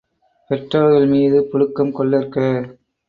பெற்றவர்மீது புழுக்கம் கொள்ளற்க!